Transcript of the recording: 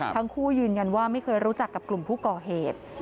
ทั้งคู่ยืนยันว่าไม่เคยรู้จักกับกลุ่มผู้ก่อเหตุ